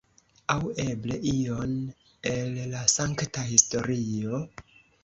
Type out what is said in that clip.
Aŭ eble ion el la sankta historio?